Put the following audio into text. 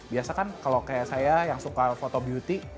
biasa kan kalau kayak saya yang suka foto beauty